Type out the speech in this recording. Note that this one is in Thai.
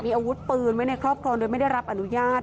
มีอาวุธปืนไว้ในครอบครองโดยไม่ได้รับอนุญาต